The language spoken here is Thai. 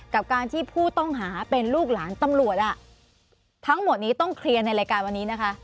กับการที่ผู้ต้องหาเป็นลูกหลานตำรวจทั้งหมดนี้ต้องเคลียร์ในรายการวันนี้นะคะ